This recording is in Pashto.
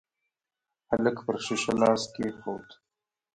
هلک پر شيشه لاس کېښود.